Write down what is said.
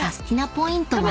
ポイントは？］